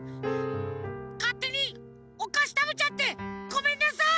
かってにおかしたべちゃってごめんなさい！